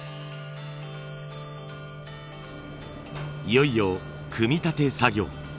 いよいよ組み立て作業。